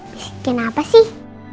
bisikin apa sih